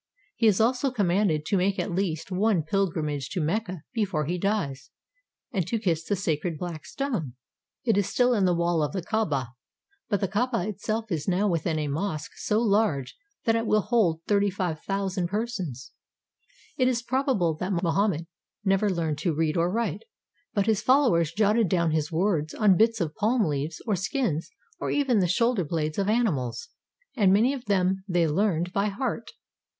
He is also commanded to make at least one pilgrimage to Mecca before he dies, and to kiss the 495 ARABIA sacred "Black Stone." It is still in the wall of the Kaaba, but the Kaaba itself is now within a mosque so large that it will hold 35,000 persons. It is probable that Mohammed never learned to read or write, but his followers jotted down his words on bits of palm leaves or skins or even the shoulder blades of animals, and many of them they learned by heart.